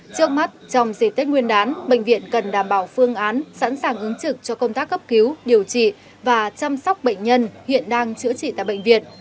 trước mắt trong dịp tết nguyên đán bệnh viện cần đảm bảo phương án sẵn sàng ứng trực cho công tác cấp cứu điều trị và chăm sóc bệnh nhân hiện đang chữa trị tại bệnh viện